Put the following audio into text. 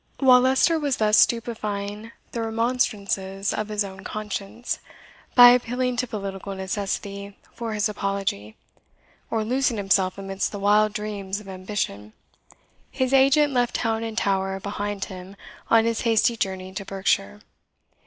While Leicester was thus stupefying the remonstrances of his own conscience, by appealing to political necessity for his apology, or losing himself amidst the wild dreams of ambition, his agent left town and tower behind him on his hasty journey to Berkshire.